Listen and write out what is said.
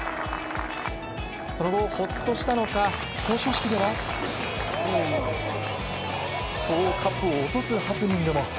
その後、ほっとしたのか表彰式ではカップを落とすハプニングも。